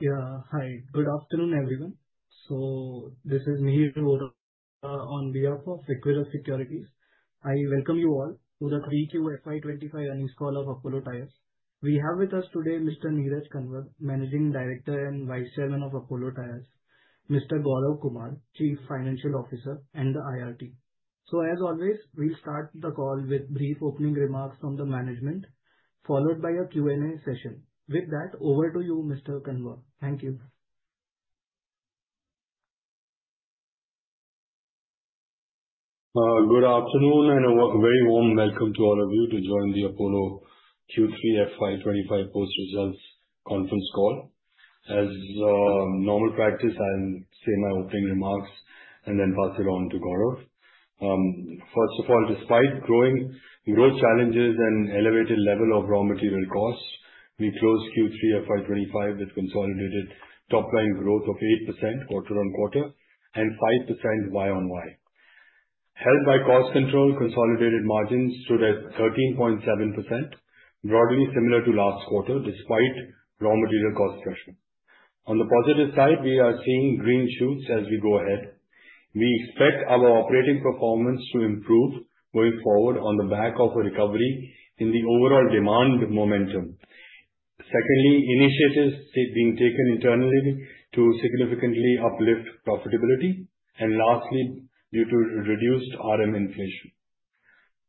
Yeah, hi. Good afternoon, everyone. So, this is Mihir Vora on behalf of Equirus Securities. I welcome you all to the 3Q FY25 Earnings Call of Apollo Tyres. We have with us today Mr. Neeraj Kanwar, Managing Director and Vice Chairman of Apollo Tyres; Mr. Gaurav Kumar, Chief Financial Officer and the IR team. So, as always, we'll start the call with brief opening remarks from the management, followed by a Q&A session. With that, over to you, Mr. Kanwar. Thank you. Good afternoon, and a very warm welcome to all of you to join the Apollo Q3 FY25 Post-Results Conference Call. As normal practice, I'll say my opening remarks and then pass it on to Gaurav. First of all, despite growth challenges and an elevated level of raw material costs, we closed Q3 FY25 with consolidated top-line growth of 8% quarter-on-quarter and 5% Y-on-Y. Helped by cost control, consolidated margins stood at 13.7%, broadly similar to last quarter despite raw material cost pressure. On the positive side, we are seeing green shoots as we go ahead. We expect our operating performance to improve going forward on the back of a recovery in the overall demand momentum. Secondly, initiatives being taken internally to significantly uplift profitability, and lastly, due to reduced RM inflation.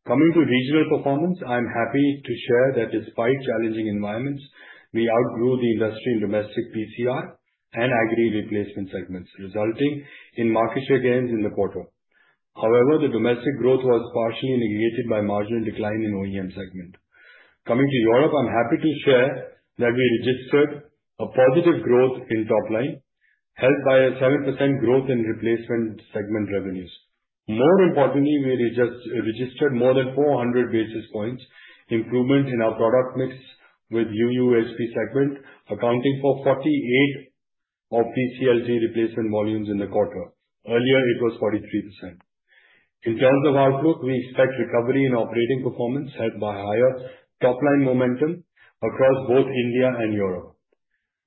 Coming to regional performance, I'm happy to share that despite challenging environments, we outgrew the industry in domestic PCR and agri replacement segments, resulting in market share gains in the quarter. However, the domestic growth was partially negated by marginal decline in the OEM segment. Coming to Europe, I'm happy to share that we registered a positive growth in top line, led by a 7% growth in replacement segment revenues. More importantly, we registered more than 400 basis points improvement in our product mix with the UUHP segment, accounting for 48% of PCR replacement volumes in the quarter. Earlier, it was 43%. In terms of outlook, we expect recovery in operating performance, led by higher top-line momentum across both India and Europe.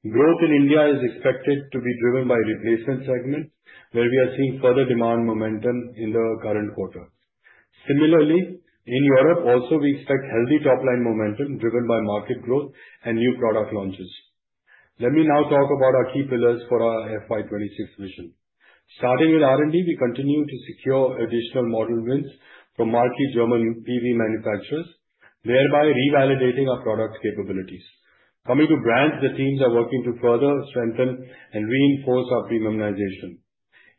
Growth in India is expected to be driven by the replacement segment, where we are seeing further demand momentum in the current quarter. Similarly, in Europe also, we expect healthy top-line momentum driven by market growth and new product launches. Let me now talk about our key pillars for our FY26 vision. Starting with R&D, we continue to secure additional model wins from marquee German PV manufacturers, thereby revalidating our product capabilities. Coming to brands, the teams are working to further strengthen and reinforce our premiumization.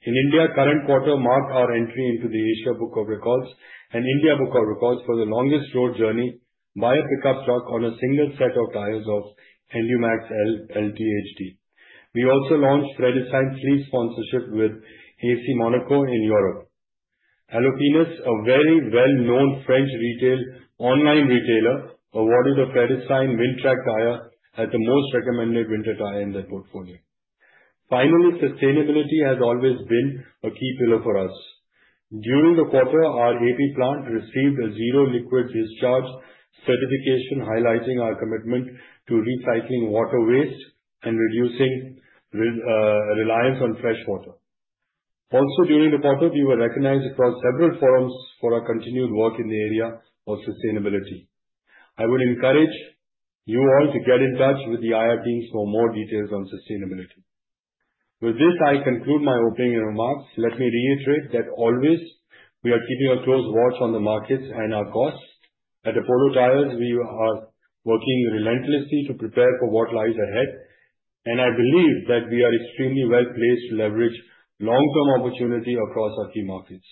In India, the current quarter marked our entry into the Asia Book of Records and India Book of Records for the longest road journey by a pickup truck on a single set of tires of EnduMaxx LT. We also launched Vredestein sleeve sponsorship with AS Monaco in Europe. Allopneus, a very well-known French online retailer, awarded a Vredestein Wintrac tire as the most recommended winter tire in their portfolio. Finally, sustainability has always been a key pillar for us. During the quarter, our AP plant received a Zero Liquid Discharge certification, highlighting our commitment to recycling water waste and reducing reliance on fresh water. Also, during the quarter, we were recognized across several forums for our continued work in the area of sustainability. I would encourage you all to get in touch with the IR teams for more details on sustainability. With this, I conclude my opening remarks. Let me reiterate that, always, we are keeping a close watch on the markets and our costs. At Apollo Tyres, we are working relentlessly to prepare for what lies ahead, and I believe that we are extremely well placed to leverage long-term opportunity across our key markets.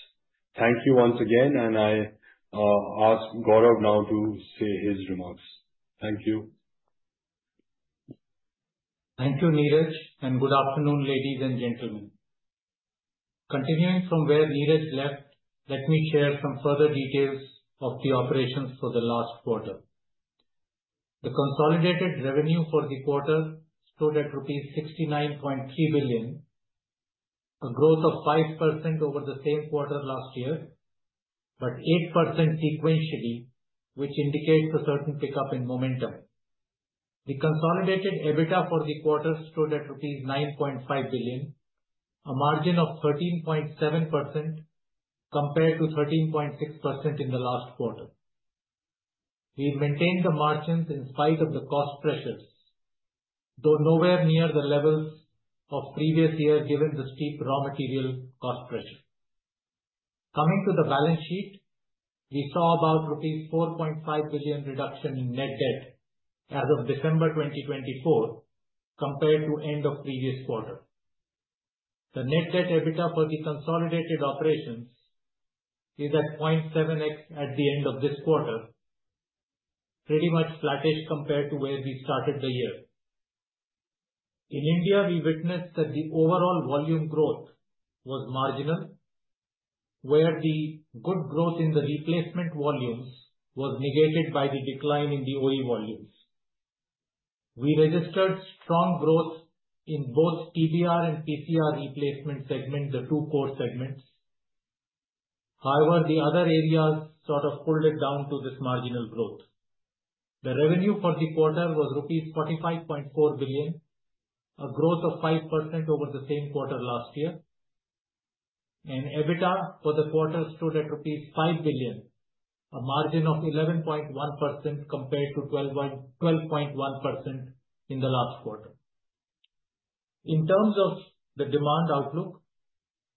Thank you once again, and I ask Gaurav now to say his remarks. Thank you. Thank you, Neeraj, and good afternoon, ladies and gentlemen. Continuing from where Neeraj left, let me share some further details of the operations for the last quarter. The consolidated revenue for the quarter stood at rupees 69.3 billion, a growth of 5% over the same quarter last year, but 8% sequentially, which indicates a certain pickup in momentum. The consolidated EBITDA for the quarter stood at INR 9.5 billion, a margin of 13.7% compared to 13.6% in the last quarter. We maintained the margins in spite of the cost pressures, though nowhere near the levels of previous year given the steep raw material cost pressure. Coming to the balance sheet, we saw about rupees 4.5 billion reduction in net debt as of December 2024 compared to the end of the previous quarter. The net debt EBITDA for the consolidated operations is at 0.7x at the end of this quarter, pretty much flattish compared to where we started the year. In India, we witnessed that the overall volume growth was marginal, where the good growth in the replacement volumes was negated by the decline in the OE volumes. We registered strong growth in both TBR and PCR replacement segments, the two core segments. However, the other areas sort of pulled it down to this marginal growth. The revenue for the quarter was rupees 45.4 billion, a growth of 5% over the same quarter last year, and EBITDA for the quarter stood at rupees 5 billion, a margin of 11.1% compared to 12.1% in the last quarter. In terms of the demand outlook,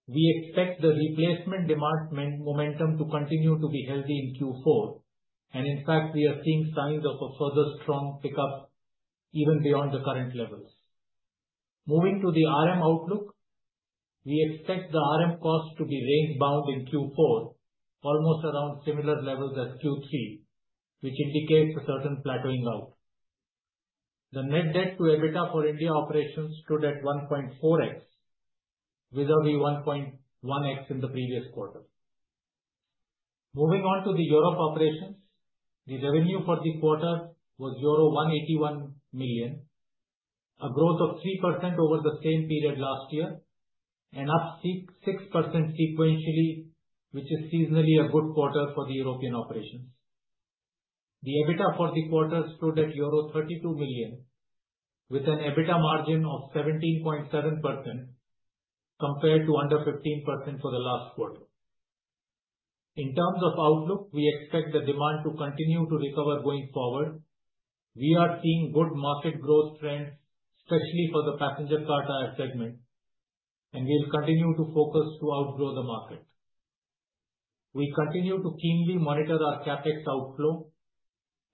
we expect the replacement demand momentum to continue to be healthy in Q4, and in fact, we are seeing signs of a further strong pickup even beyond the current levels. Moving to the RM outlook, we expect the RM cost to be range-bound in Q4, almost around similar levels as Q3, which indicates a certain plateauing out. The net debt to EBITDA for India operations stood at 1.4x, with a 1.1x in the previous quarter. Moving on to the Europe operations, the revenue for the quarter was euro 181 million, a growth of 3% over the same period last year, and up 6% sequentially, which is seasonally a good quarter for the European operations. The EBITDA for the quarter stood at euro 32 million, with an EBITDA margin of 17.7% compared to under 15% for the last quarter. In terms of outlook, we expect the demand to continue to recover going forward. We are seeing good market growth trends, especially for the passenger car tire segment, and we'll continue to focus to outgrow the market. We continue to keenly monitor our CapEx outflow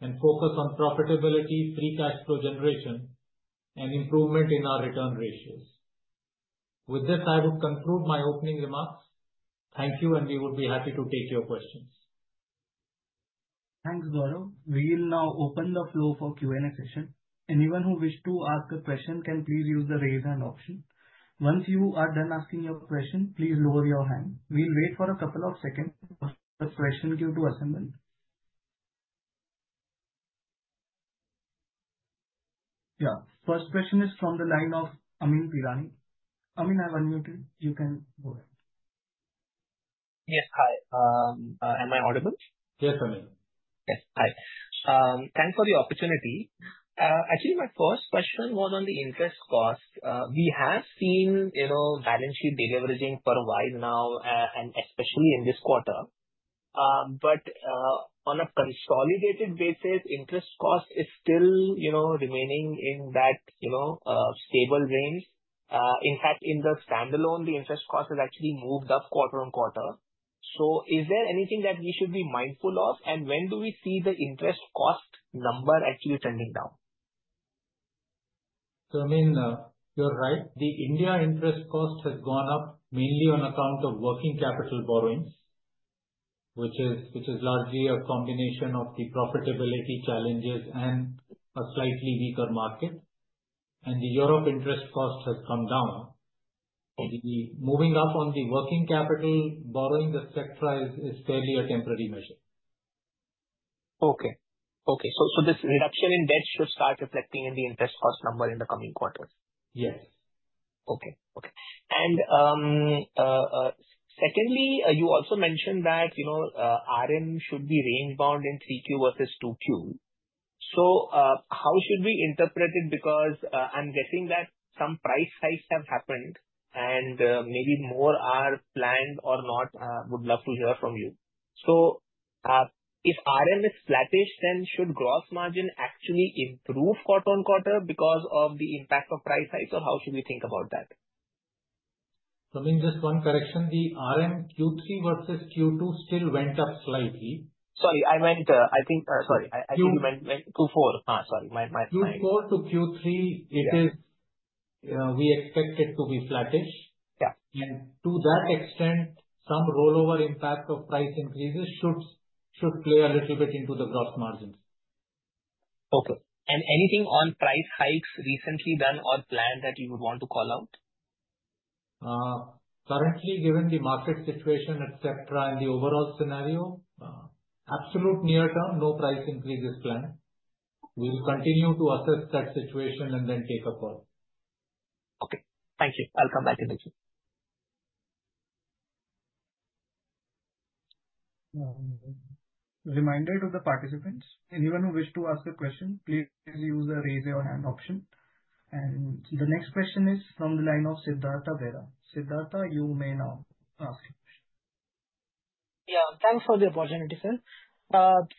and focus on profitability, free cash flow generation, and improvement in our return ratios. With this, I would conclude my opening remarks. Thank you, and we would be happy to take your questions. Thanks, Gaurav. We'll now open the floor for Q&A session. Anyone who wishes to ask a question can please use the raise hand option. Once you are done asking your question, please lower your hand. We'll wait for a couple of seconds for the question queue to assemble. Yeah, first question is from the line of Amyn Pirani. Amyn, I've unmuted. You can go ahead. Yes, hi. Am I audible? Yes, Amyn. Yes, hi. Thanks for the opportunity. Actually, my first question was on the interest cost. We have seen balance sheet deleveraging for a while now, and especially in this quarter, but on a consolidated basis, interest cost is still remaining in that stable range. In fact, in the standalone, the interest cost has actually moved up quarter-on-quarter, so is there anything that we should be mindful of, and when do we see the interest cost number actually trending down? Amyn, you're right. The India interest cost has gone up mainly on account of working capital borrowings, which is largely a combination of the profitability challenges and a slightly weaker market. The Europe interest cost has come down. Moving up on the working capital borrowing aspect is fairly a temporary measure. So this reduction in debt should start reflecting in the interest cost number in the coming quarter? Yes. Okay. Okay. And secondly, you also mentioned that RM should be range-bound in 3Q versus 2Q. So how should we interpret it? Because I'm guessing that some price hikes have happened, and maybe more are planned or not. I would love to hear from you. So if RM is flattish, then should gross margin actually improve quarter-on-quarter because of the impact of price hikes, or how should we think about that? Amyn, just one correction. The RM Q3 versus Q2 still went up slightly. Sorry, I meant, I think you meant Q4. Sorry. Q4 to Q3, we expect it to be flattish, and to that extent, some rollover impact of price increases should play a little bit into the gross margins. Okay. And anything on price hikes recently done or planned that you would want to call out? Currently, given the market situation, etc., and the overall scenario, absolute near-term, no price increase is planned. We'll continue to assess that situation and then take a call. Okay. Thank you. I'll come back to the queue. Reminder to the participants, anyone who wishes to ask a question, please use the raise your hand option. And the next question is from the line of Siddhartha Bera. Siddhartha, you may now ask your question. Yeah, thanks for the opportunity, sir.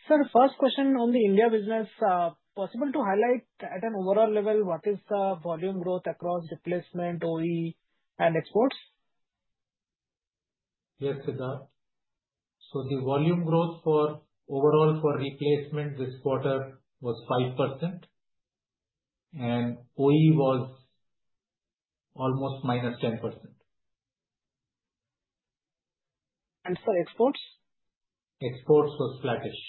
Sir, first question on the India business, possible to highlight at an overall level what is the volume growth across replacement, OE, and exports? Yes, Siddhartha. So the volume growth overall for replacement this quarter was 5%, and OE was almost -10%. For exports? Exports was flattish.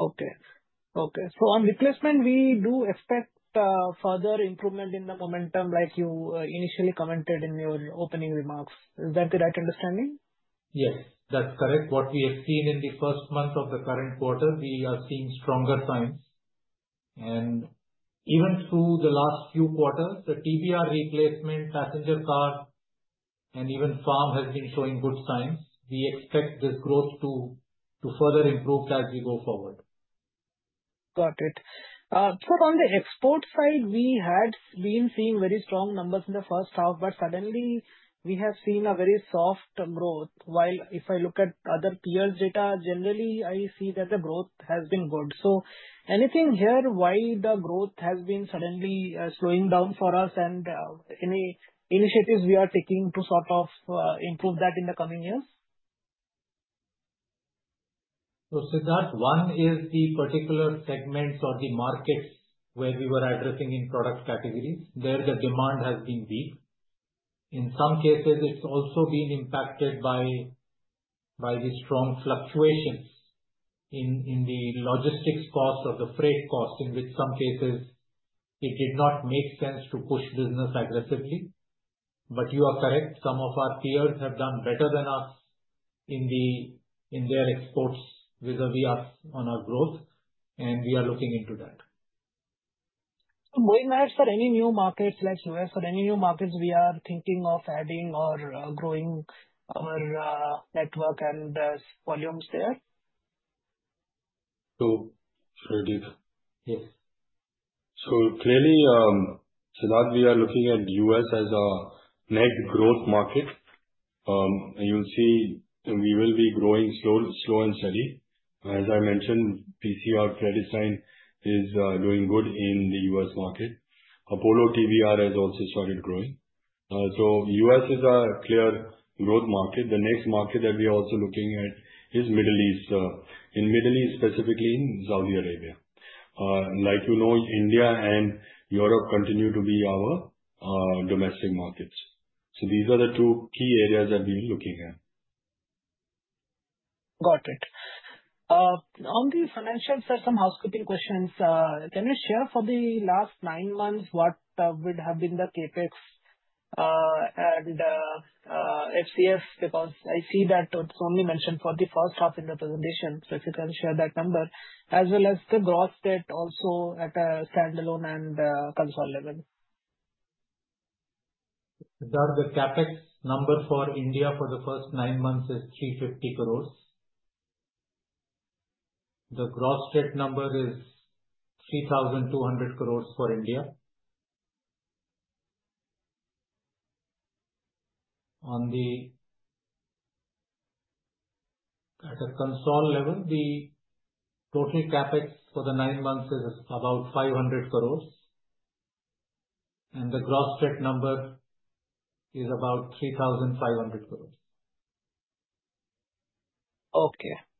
Okay. So on replacement, we do expect further improvement in the momentum, like you initially commented in your opening remarks. Is that the right understanding? Yes, that's correct. What we have seen in the first month of the current quarter, we are seeing stronger signs. And even through the last few quarters, the TBR replacement, passenger car, and even farm has been showing good signs. We expect this growth to further improve as we go forward. Got it. Sir, on the export side, we had been seeing very strong numbers in the first half, but suddenly we have seen a very soft growth, while if I look at other peers' data, generally, I see that the growth has been good, so anything here why the growth has been suddenly slowing down for us and any initiatives we are taking to sort of improve that in the coming years? Siddhartha, one is the particular segments or the markets where we were addressing in product categories. There, the demand has been weak. In some cases, it's also been impacted by the strong fluctuations in the logistics cost or the freight cost, in which some cases it did not make sense to push business aggressively. But you are correct. Some of our peers have done better than us in their exports vis-à-vis us on our growth, and we are looking into that. So may I ask, sir, any new markets like U.S., or any new markets we are thinking of adding or growing our network and volumes there? So Pradeep. Yes. So clearly, Siddhartha, we are looking at U.S. as a net growth market. You'll see we will be growing slow and steady. As I mentioned, PCR, Vredestein is doing good in the U.S. market. Apollo Tyres has also started growing. So U.S. is a clear growth market. The next market that we are also looking at is Middle East, in Middle East specifically, in Saudi Arabia. Like you know, India and Europe continue to be our domestic markets. So these are the two key areas that we are looking at. Got it. On the financials, there are some housekeeping questions. Can you share for the last nine months what would have been the CapEx and FCF? Because I see that it's only mentioned for the first half in the presentation. So if you can share that number, as well as the gross debt also at a standalone and consolidated level. Siddhartha, the CapEx number for India for the first nine months is 350 crores. The gross debt number is 3,200 crores for India. At a consolidated level, the total CapEx for the nine months is about 500 crores, and the gross debt number is about 3,500 crores.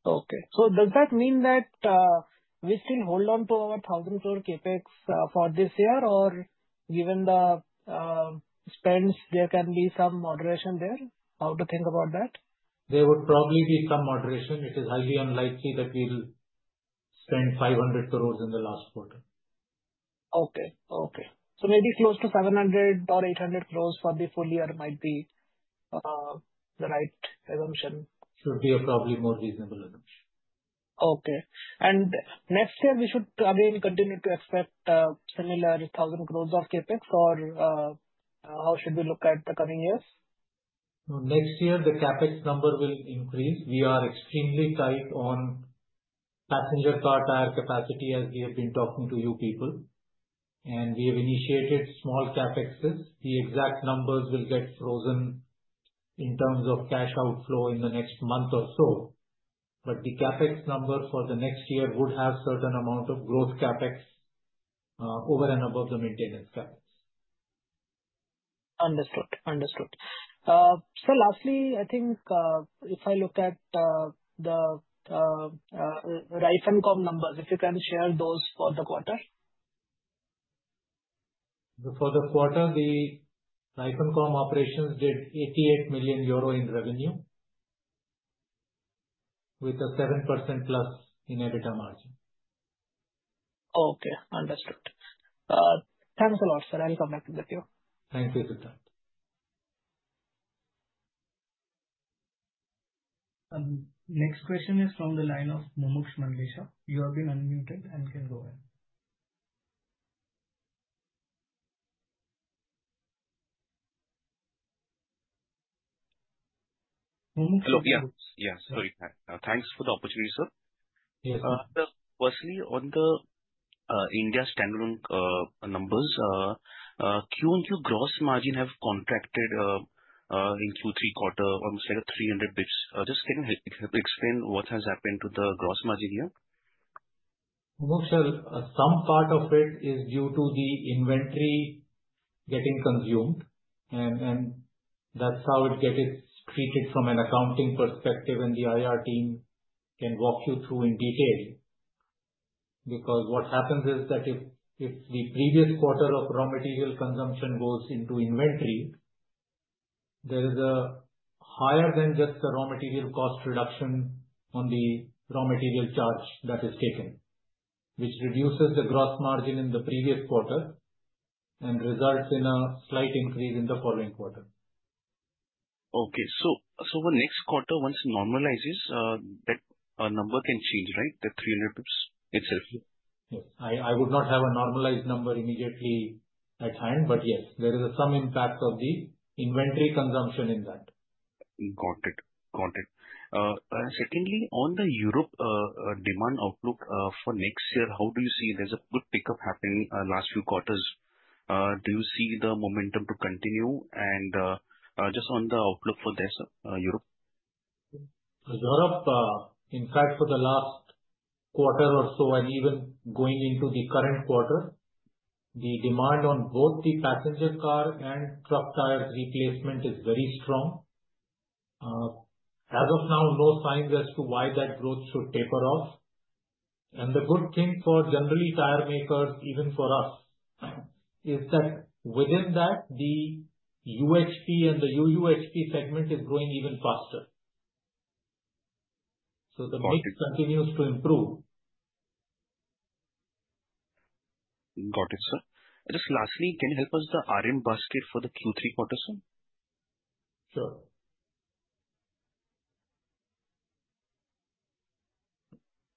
Okay. So does that mean that we still hold on to our 1,000 crore CapEx for this year, or given the spends, there can be some moderation there? How to think about that? There would probably be some moderation. It is highly unlikely that we'll spend 500 crores in the last quarter. Maybe close to 700 or 800 crores for the full year might be the right assumption. Should be a probably more reasonable assumption. Okay. And next year, we should again continue to expect similar 1,000 crores of CapEx, or how should we look at the coming years? Next year, the CapEx number will increase. We are extremely tight on passenger car tire capacity, as we have been talking to you people, and we have initiated small CapExes. The exact numbers will get frozen in terms of cash outflow in the next month or so, but the CapEx number for the next year would have a certain amount of gross CapEx over and above the maintenance CapEx. Understood. Understood. Sir, lastly, I think if I look at the Reifen.com numbers, if you can share those for the quarter. For the quarter, the Reifen.com operations did 88 million euro in revenue with a +7% in EBITDA margin. Okay. Understood. Thanks a lot, sir. I'll come back to the queue. Thank you, Siddhartha. Next question is from the line of Mumuksh Mandlesha. You have been unmuted and can go ahead. Mumuksh. Hello. Yeah, sorry. Thanks for the opportunity, sir. Yes, sir. Firstly, on the India standalone numbers, QoQ gross margin have contracted in Q3 quarter, almost like 300 basis points. Just, can you explain what has happened to the gross margin here? Mumuksh, some part of it is due to the inventory getting consumed. And that's how it gets treated from an accounting perspective, and the IR team can walk you through in detail. Because what happens is that if the previous quarter of raw material consumption goes into inventory, there is a higher than just the raw material cost reduction on the raw material charge that is taken, which reduces the gross margin in the previous quarter and results in a slight increase in the following quarter. Okay, so the next quarter, once it normalizes, that number can change, right? The 300 basis points itself. Yes. I would not have a normalized number immediately at hand, but yes, there is some impact of the inventory consumption in that. Got it. Got it. Secondly, on the Europe demand outlook for next year, how do you see there's a good pickup happening last few quarters? Do you see the momentum to continue, and just on the outlook for this Europe? Europe, in fact, for the last quarter or so, and even going into the current quarter, the demand on both the passenger car and truck tires replacement is very strong. As of now, no signs as to why that growth should taper off, and the good thing for generally tire makers, even for us, is that within that, the UHP and the UUHP segment is growing even faster, so the mix continues to improve. Got it, sir. Just lastly, can you help us with the RM basket for the Q3 quarter, sir? Sure.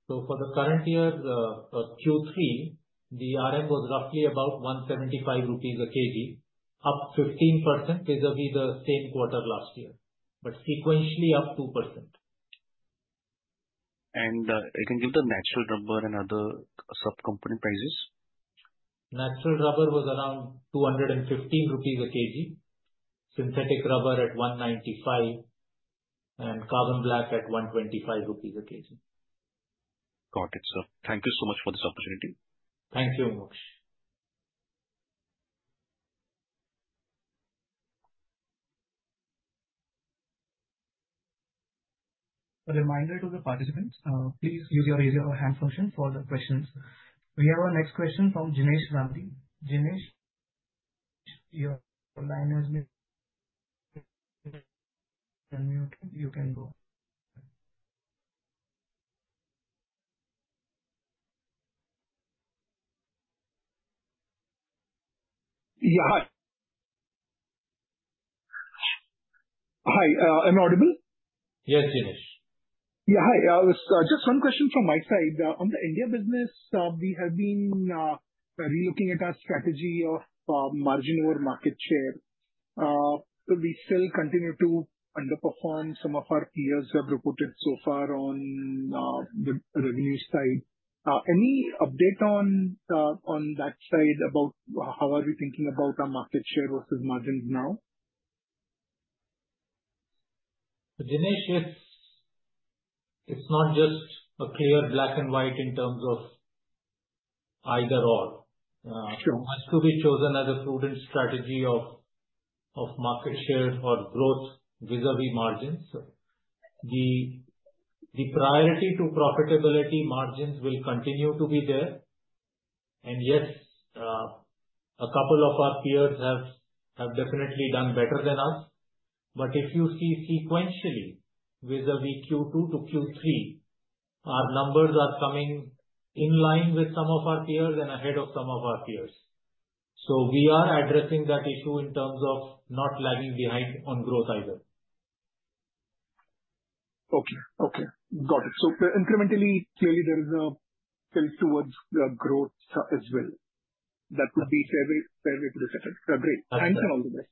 So for the current year, Q3, the RM was roughly about 175 rupees a kg, up 15% vis-à-vis the same quarter last year, but sequentially up 2%. I can give the natural rubber and other sub-component prices? Natural rubber was around 215 rupees a kg, synthetic rubber at 195, and carbon black at 125 rupees a kg. Got it, sir. Thank you so much for this opportunity. Thank you, Mumuksh. A reminder to the participants, please use the raise your hand function for the questions. We have our next question from Jinesh Gandhi. Jinesh, your line has been unmuted. You can go. Yeah. Hi. Am I audible? Yes, Jinesh. Yeah. Hi. Just one question from my side. On the India business, we have been relooking at our strategy of margin over market share. We still continue to underperform some of our peers who have reported so far on the revenue side. Any update on that side about how are we thinking about our market share versus margins now? Jinesh, it's not just a clear black and white in terms of either/or. It has to be chosen as a prudent strategy of market share or growth vis-à-vis margins. The priority to profitability margins will continue to be there. And yes, a couple of our peers have definitely done better than us. But if you see sequentially vis-à-vis Q2 to Q3, our numbers are coming in line with some of our peers and ahead of some of our peers. So we are addressing that issue in terms of not lagging behind on growth either. Okay. Okay. Got it, so incrementally, clearly, there is a tilt towards growth as well. That would be favorable to the second. Great. Thank you. All the best.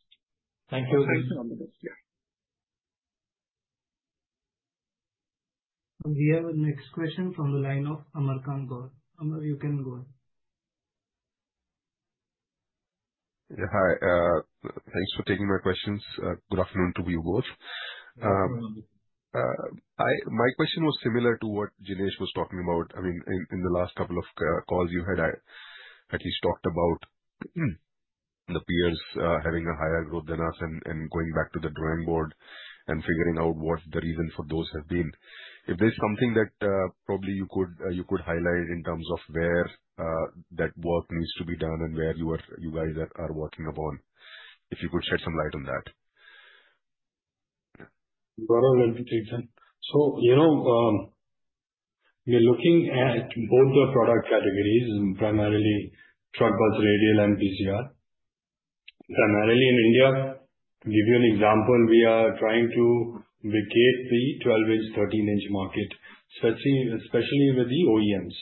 Thank you. Thank you. Thank you. All the best. Yeah. We have a next question from the line of Amar Kant Gaur. Amar, you can go ahead. Yeah. Hi. Thanks for taking my questions. Good afternoon to you both. My question was similar to what Jinesh was talking about. I mean, in the last couple of calls you had, I at least talked about the peers having a higher growth than us and going back to the drawing board and figuring out what the reason for those has been. If there's something that probably you could highlight in terms of where that work needs to be done and where you guys are working upon, if you could shed some light on that. Got a very good reason. So we are looking at both the product categories, primarily truck bus radial and PCR. Primarily in India, to give you an example, we are trying to vacate the 12-inch, 13-inch market, especially with the OEMs.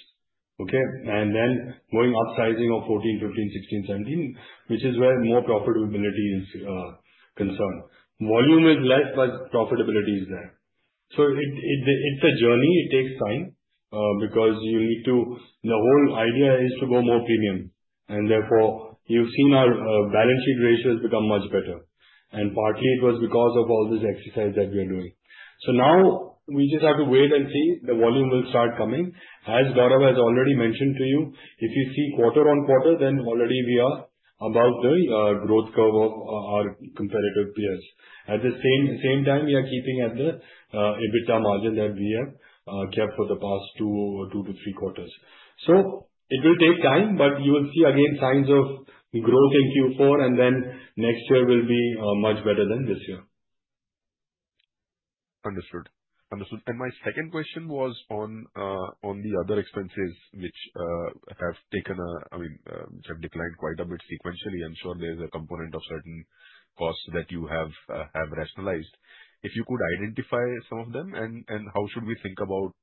Okay? And then going upsizing of 14, 15, 16, 17, which is where more profitability is concerned. Volume is less, but profitability is there. So it's a journey. It takes time because the whole idea is to go more premium. And therefore, you've seen our balance sheet ratios become much better. And partly, it was because of all this exercise that we are doing. So now we just have to wait and see. The volume will start coming. As Gaurav has already mentioned to you, if you see quarter-on-quarter, then already we are above the growth curve of our comparative peers. At the same time, we are keeping at the EBITDA margin that we have kept for the past two to three quarters. So it will take time, but you will see again signs of growth in Q4, and then next year will be much better than this year. Understood. Understood. And my second question was on the other expenses which have, I mean, which have declined quite a bit sequentially. I'm sure there's a component of certain costs that you have rationalized. If you could identify some of them, and how should we think about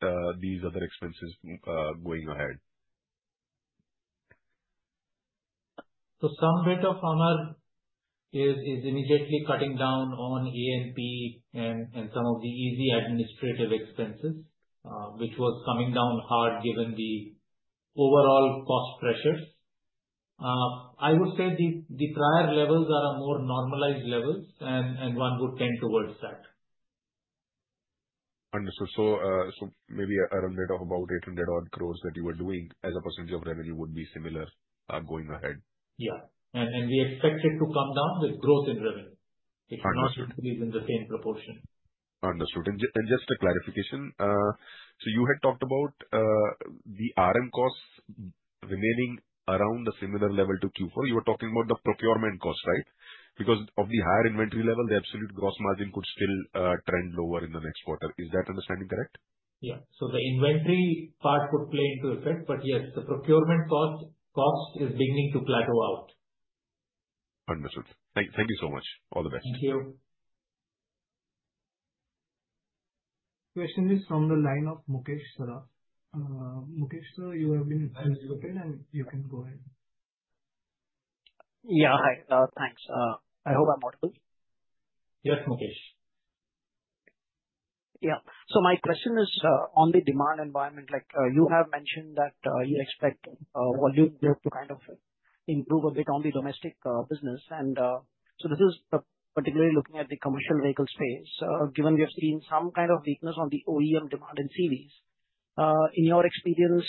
these other expenses going ahead? Some bit of honor is immediately cutting down on E&P and some of the easy administrative expenses, which was coming down hard given the overall cost pressures. I would say the prior levels are more normalized levels, and one would tend towards that. Understood. So maybe around about 800-odd crores that you were doing as a percentage of revenue would be similar going ahead. Yeah. And we expect it to come down with growth in revenue, which is not usually in the same proportion. Understood. And just a clarification, so you had talked about the RM costs remaining around the similar level to Q4. You were talking about the procurement cost, right? Because of the higher inventory level, the absolute gross margin could still trend lower in the next quarter. Is that understanding correct? Yeah. So the inventory part could play into effect, but yes, the procurement cost is beginning to plateau out. Understood. Thank you so much. All the best. Thank you. Question is from the line of Mukesh Saraf. Mukesh, sir, you have been unmuted, and you can go ahead. Yeah. Hi. Thanks. I hope I'm audible. Yes, Mukesh. Yeah. So my question is on the demand environment. You have mentioned that you expect volume growth to kind of improve a bit on the domestic business. And so this is particularly looking at the commercial vehicle space. Given we have seen some kind of weakness on the OEM demand and CVs, in your experience,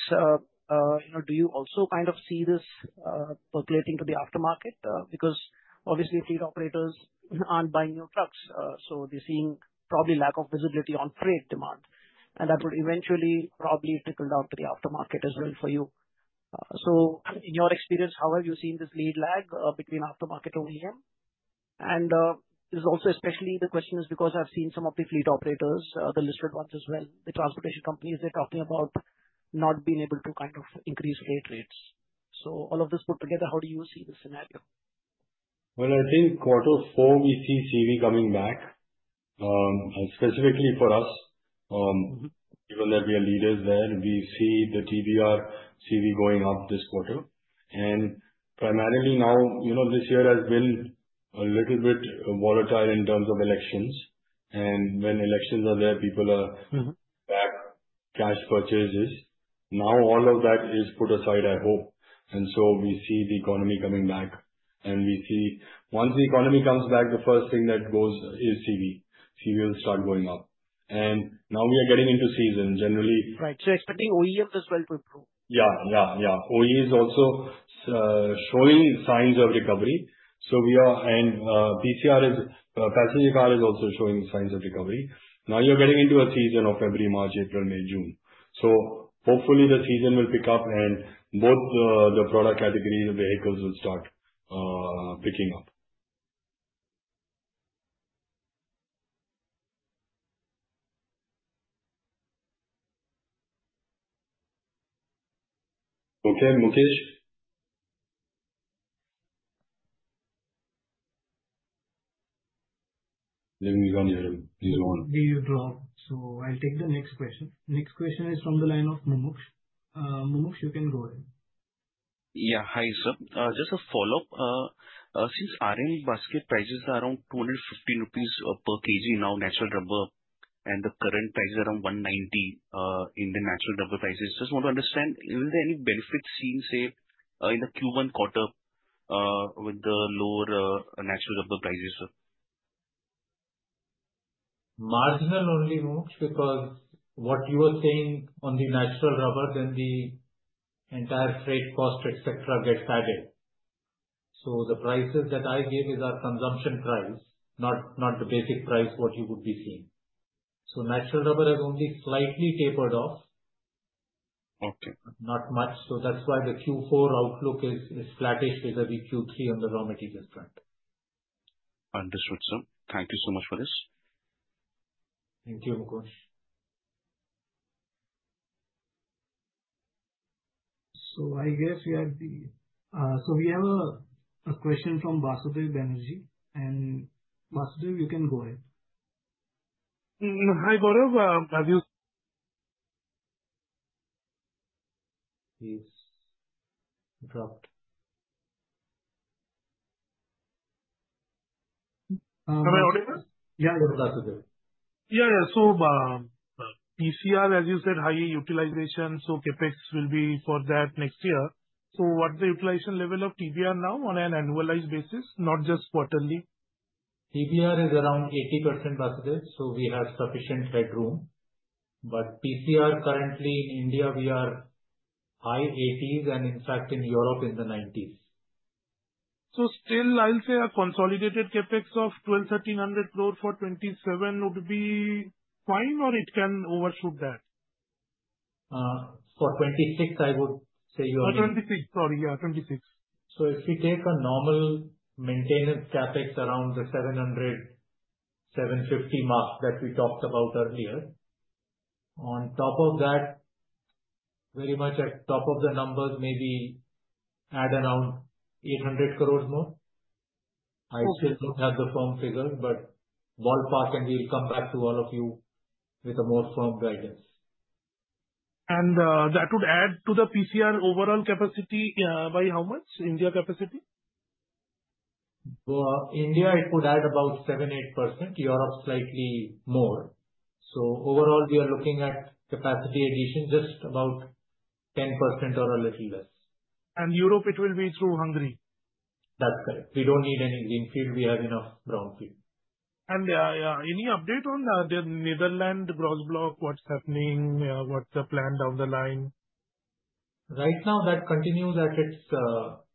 do you also kind of see this percolating to the aftermarket? Because obviously, fleet operators aren't buying new trucks, so they're seeing probably lack of visibility on freight demand. And that would eventually probably trickle down to the aftermarket as well for you. So in your experience, how have you seen this lead lag between aftermarket OEM? And this is also especially the question is because I've seen some of the fleet operators, the listed ones as well, the transportation companies, they're talking about not being able to kind of increase freight rates. So all of this put together, how do you see the scenario? I think quarter four, we see CV coming back. Specifically for us, given that we are leaders there, we see the TBR CV going up this quarter. And primarily now, this year has been a little bit volatile in terms of elections. And when elections are there, people are back, cash purchases. Now all of that is put aside, I hope. And so we see the economy coming back. And once the economy comes back, the first thing that goes is CV. CV will start going up. And now we are getting into season. Generally. Right, so expecting OEMs as well to improve. Yeah. Yeah. Yeah. OE is also showing signs of recovery, and PCR, passenger car, is also showing signs of recovery. Now you're getting into a season of February, March, April, May, June. So hopefully the season will pick up and both the product categories of vehicles will start picking up. Okay. Mukesh? Let me go, please go on. You go ahead. So I'll take the next question. Next question is from the line of Mumuksh. Mumuksh, you can go ahead. Yeah. Hi, sir. Just a follow-up. Since RM basket prices are around INR 215 per kg now, natural rubber, and the current price is around INR 190 in the natural rubber prices, just want to understand, will there be any benefits seen, say, in the Q1 quarter with the lower natural rubber prices, sir? Marginal only, Mumuksh, because what you were saying on the natural rubber, then the entire freight cost, etc., gets added. So the prices that I gave is our consumption price, not the basic price what you would be seeing. So natural rubber has only slightly tapered off. Not much. So that's why the Q4 outlook is flattish vis-à-vis Q3 on the raw materials front. Understood, sir. Thank you so much for this. Thank you, Mumuksh. So I guess we have a question from Basudeb Banerjee. And Basudeb, you can go ahead. Hi, Gaurav. Have you? He's dropped. Am I audible? Yeah, yeah, Basudeb. Yeah, yeah. So PCR, as you said, higher utilization. So CapEx will be for that next year. So what's the utilization level of TBR now on an annualized basis, not just quarterly? TBR is around 80%, Basudeb. So we have sufficient headroom. But PCR currently in India, we are high 80s%, and in fact, in Europe, in the 90s%. So still, I'll say a consolidated CapEx of 1,300 crore for 2027 would be fine, or it can overshoot that? For 2026, I would say you are doing. For 2026, sorry. Yeah, 2026. So if we take a normal maintenance CapEx around the 700-750 INR mark that we talked about earlier, on top of that, very much at top of the numbers, maybe add around 800 crores more. I still don't have the firm figure, but ballpark, and we'll come back to all of you with a more firm guidance. That would add to the PCR overall capacity by how much? India capacity? India, it would add about 7%-8%. Europe slightly more. So overall, we are looking at capacity addition, just about 10% or a little less. And Europe, it will be through Hungary. That's correct. We don't need any greenfield. We have enough brownfield. Any update on the Netherlands gross block? What's happening? What's the plan down the line? Right now, that continues at its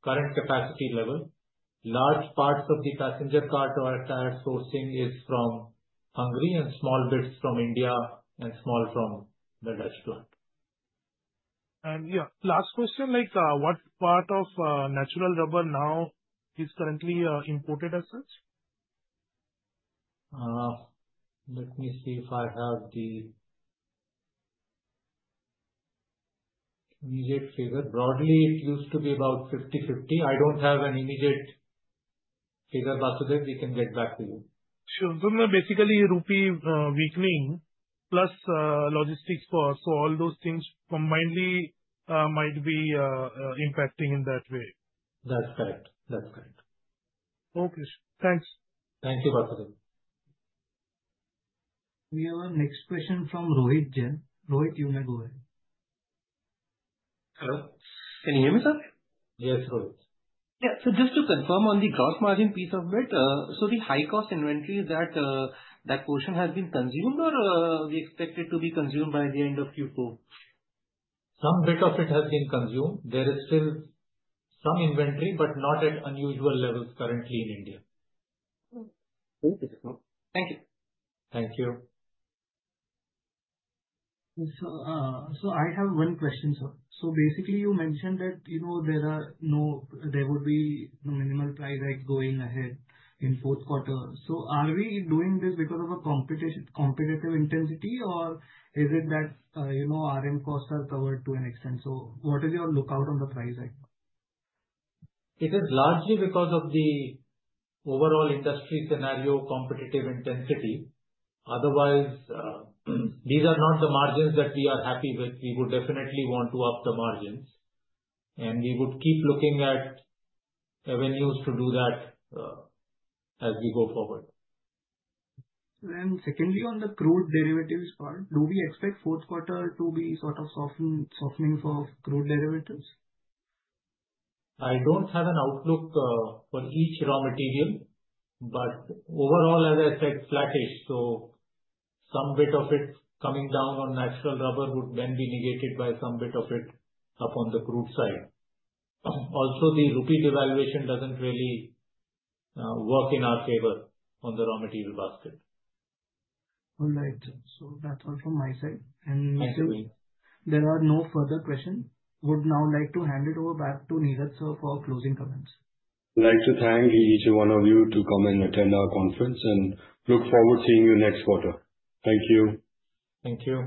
current capacity level. Large parts of the passenger car tire sourcing is from Hungary and small bits from India and small from the Dutch plant. Yeah, last question, what part of natural rubber now is currently imported as such? Let me see if I have the immediate figure. Broadly, it used to be about 50/50. I don't have an immediate figure, Basudeb. We can get back to you. Sure. So basically, rupee weakening plus logistics cost. So all those things combined might be impacting in that way. That's correct. That's correct. Okay. Thanks. Thank you, Basudeb. We have a next question from Rohit Jain. Rohit, you may go ahead. Hello. Can you hear me, sir? Yes, Rohit. Yeah. So just to confirm on the gross margin piece of it, so the high-cost inventory, that portion has been consumed, or we expect it to be consumed by the end of Q4? Some bit of it has been consumed. There is still some inventory, but not at unusual levels currently in India. Thank you. Thank you. Thank you. I have one question, sir. Basically, you mentioned that there would be minimal price hike going ahead in fourth quarter. Are we doing this because of a competitive intensity, or is it that RM costs are covered to an extent? What is your outlook on the price hike? It is largely because of the overall industry scenario, competitive intensity. Otherwise, these are not the margins that we are happy with. We would definitely want to up the margins, and we would keep looking at avenues to do that as we go forward. Secondly, on the crude derivatives part, do we expect fourth quarter to be sort of softening for crude derivatives? I don't have an outlook for each raw material, but overall, as I said, flattish. So some bit of it coming down on natural rubber would then be negated by some bit of it up on the crude side. Also, the rupee devaluation doesn't really work in our favor on the raw material basket. All right. So that's all from my side. And there are no further questions. Would now like to hand it over back to Neeraj sir for closing comments. I'd like to thank each and one of you to come and attend our conference and look forward to seeing you next quarter. Thank you. Thank you.